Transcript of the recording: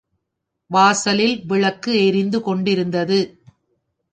வாசலில் விளக்கு எரிந்து கொண்டிருந்தது.